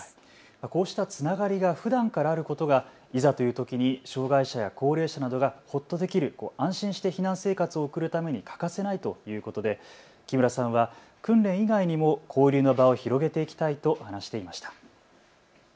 こうしたつながりがふだんからあることがいざというときに障害者や高齢者などがほっとできる、安心して避難生活を送るために欠かせないということで木村さんは訓練以外にも交流の場を広げていきたいと話していました。